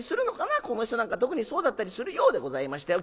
この人なんか特にそうだったりするようでございまして。